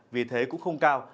vì thế cũng không cao